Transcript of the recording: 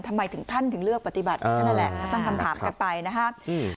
ทำไมถึงท่านถึงเลือกปฏิบัตินั่นแหละถ้าตั้งคำถามกันไปนะครับ